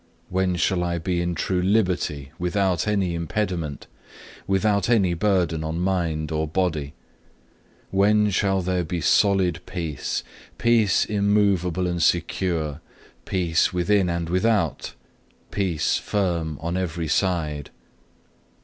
When shall I be in true liberty without any impediment, without any burden on mind or body? When shall there be solid peace, peace immovable and secure, peace within and without, peace firm on every side?